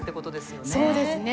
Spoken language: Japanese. そうですね。